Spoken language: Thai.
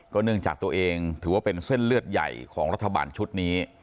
เนื่องจากตัวเองถือว่าเป็นเส้นเลือดใหญ่ของรัฐบาลชุดนี้